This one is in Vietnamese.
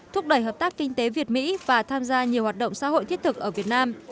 thúc đẩy hợp tác kinh tế việt mỹ và tham gia nhiều hoạt động xã hội thiết thực ở việt nam